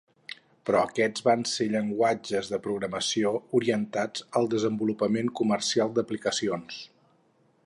Però aquests van ser llenguatges de programació orientats al desenvolupament comercial d'aplicacions.